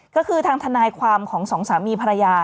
ก็คือทางทนายความของสองสามีภรรยา